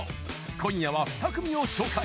今夜は２組を紹介